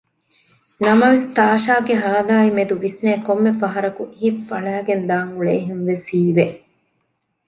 ނަމަވެސް ތާޝާގެ ހާލާއިމެދު ވިސްނޭ ކޮންމެ ފަހަރަކު ހިތް ފަޅައިގެންދާން އުޅޭހެންވެސް ހީވެ